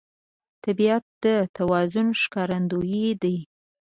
طبیعت د توازن ښکارندوی دی.